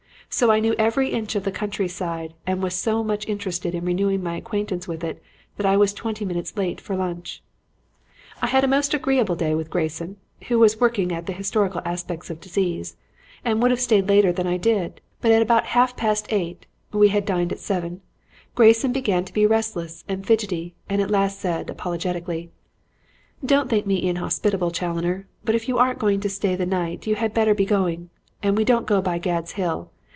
So I knew every inch of the country side and was so much interested in renewing my acquaintance with it that I was twenty minutes late for lunch. "I had a most agreeable day with Grayson (who was working at the historical aspects of disease), and would have stayed later than I did. But at about half past eight we had dined at seven Grayson began to be restless and fidgetty and at last said apologetically: "'Don't think me inhospitable, Challoner, but if you aren't going to stay the night you had better be going. And don't go by Gad's Hill.